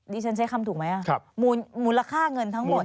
ฉันใช้คำถูกไหมมูลค่าเงินทั้งหมด